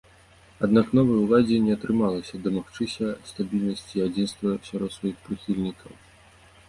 Аднак новай уладзе не атрымалася дамагчыся стабільнасці і адзінства сярод сваіх прыхільнікаў.